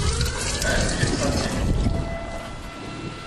Teɛjeb-iyi texxamt-nnem.